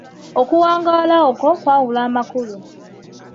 Okuwangaala okwo kwawula amakulu.